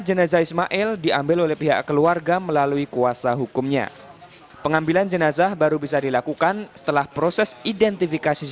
jangan lupa like share dan subscribe ya